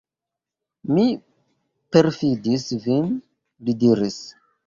Mi perﬁdis vin, li diris.